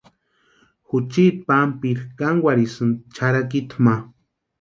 Juchiti pampiri kankwarhsïnti charhakituni ma.